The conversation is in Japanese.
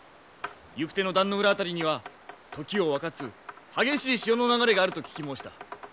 行く手の壇ノ浦辺りには時を分かつ激しい潮の流れがあると聞き申した。